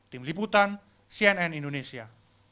tim liputan cnn indonesia